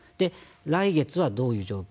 来月はどういう状況。